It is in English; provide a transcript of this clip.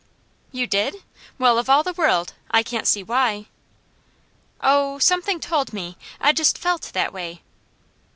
"You did? Well of all the world! I can't see why." "Oh something told me! I just FELT that way."